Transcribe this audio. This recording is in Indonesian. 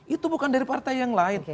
itu bukan dari partai yang lain